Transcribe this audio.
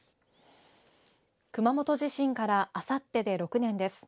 熊本地震からあさってで６年です。